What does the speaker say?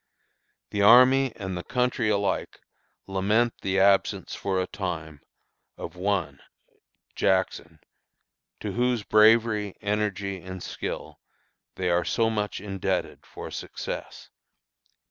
The army and the country alike lament the absence for a time of one [Jackson] to whose bravery, energy, and skill they are so much indebted for success."